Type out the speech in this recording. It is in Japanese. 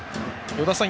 与田さん